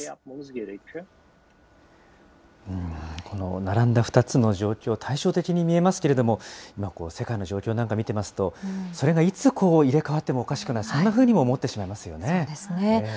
この並んだ２つの状況、対照的に見えますけれども、世界の状況なんかを見てますと、それがいつ入れ代わってもおかしくない、そんなふうにも思ってしそうですね。